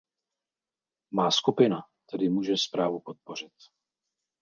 Má skupina tedy může zprávu podpořit.